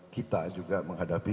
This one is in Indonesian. kita juga menghadapi